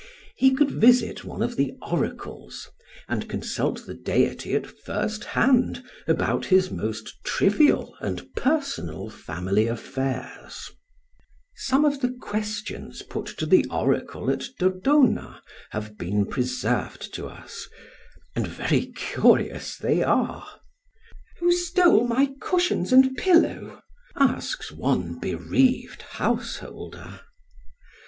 He could visit one of the oracles and consult the deity at first hand about his most trivial and personal family affairs. Some of the questions put to the oracle at Dodona have been preserved to us, [Footnote: See Percy Gardner, "New Chapters in Greek History."] and very curious they are. "Who stole my cushions and pillow?" asks one bereaved householder.